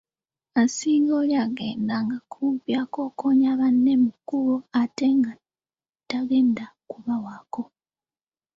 Asinga oli agenda nga kumpi akokoonya banne mu kkubo ate nga tategenda kubawaako.